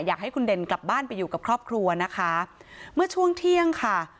อยากให้คุณเด่นกลับบ้านไปอยู่กับครอบครัวนะคะเมื่อช่วงเที่ยงค่ะ